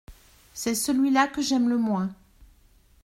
C’est celui-là que j’aime le moins.